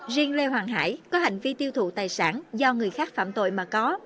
riêng lê hoàng hải có hành vi tiêu thụ tài sản do người khác phạm tội mà có